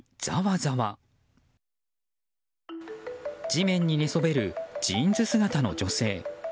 地面に寝そべるジーンズ姿の女性。